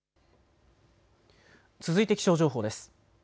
続いて気象情報です。